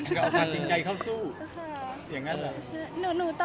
เอาตัดสินใจเข้าสู้